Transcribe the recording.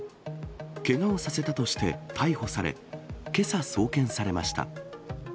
けがをさせたとして逮捕され、けさ送検されました。